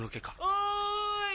おい！